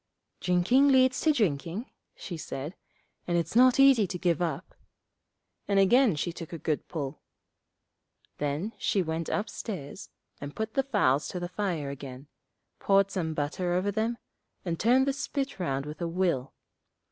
'Drinking leads to drinking,' she said, 'and it's not easy to give it up,' and again she took a good pull. Then she went upstairs and put the fowls to the fire again, poured some butter over them, and turned the spit round with a will.